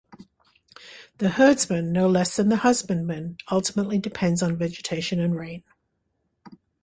The herdsman no less than the husbandman ultimately depends on vegetation and rain.